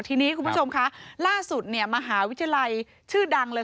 ทีนี้คุณผู้ชมคะล่าสุดเนี่ยมหาวิทยาลัยชื่อดังเลย